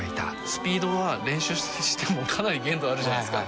スピードは練習してもかなり限度あるじゃないですか